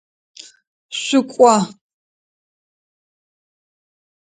Шъукӏо!